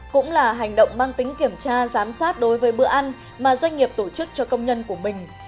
cũng là hành động mang tính kiểm tra giám sát đối với bữa ăn mà doanh nghiệp tổ chức cho công nhân của mình